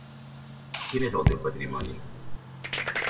Quin és el teu patrimoni?